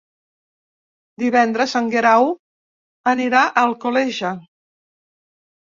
Divendres en Guerau anirà a Alcoleja.